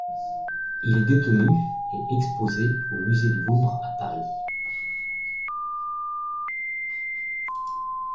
Il est détenu et exposé au musée du Louvre à Paris.